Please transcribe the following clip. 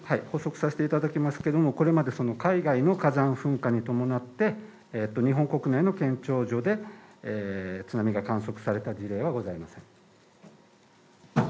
捕捉させていただきますけれども、これまで海外の火山噴火にともなって日本国内の検潮所で津波が観測された事例はございません。